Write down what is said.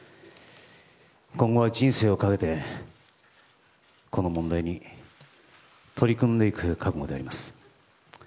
今後は人生をかけてこの問題に取り組んでいく覚悟であります。